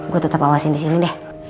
gue tetep awasin disini deh